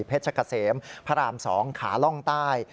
กะเสมพระราม๒ขาล่องใต้